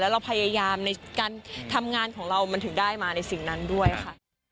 เราพยายามในการทำงานของเรามันถึงได้มาในสิ่งนั้นด้วยค่ะ